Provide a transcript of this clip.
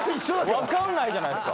分かんないじゃないですか。